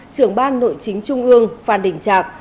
trưởng ban nội chính trung ương phan đình trạc